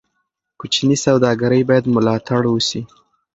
کوچني سوداګرۍ باید ملاتړ شي.